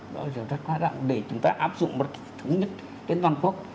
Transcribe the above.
đó là điều rất quan trọng để chúng ta áp dụng một thống nhất trên toàn quốc